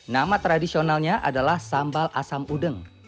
nama tradisionalnya adalah sambal asam udeng